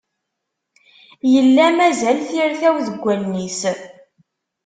Yella mazal tirtaw deg allen-is.